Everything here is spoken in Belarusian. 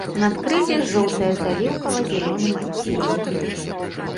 Надкрылле жоўтае з аліўкава-зялёным адценнем.